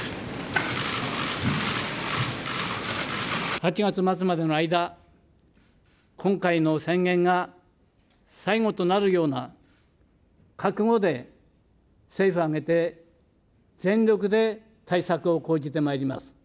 ８月末までの間、今回の宣言が最後となるような覚悟で、政府を挙げて全力で対策を講じてまいります。